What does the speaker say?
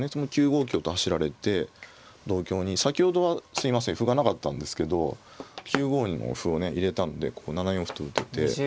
９五香と走られて同香に先ほどはすいません歩がなかったんですけど９五に歩を入れたんでここ７四歩と打てて。